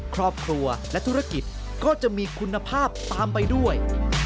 ครอบครัวและธุรกิจก็จะมีคุณภาพตามไปด้วย